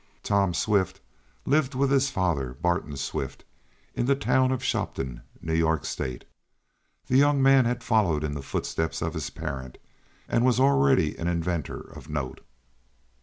Tom Swift lived with his father, Barton Swift, in the town of Shopton, New York State. The young man had followed in the footsteps of his parent, and was already an inventor of note.